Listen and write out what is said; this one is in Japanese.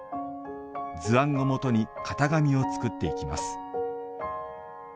図案を元に型紙を作っていきます。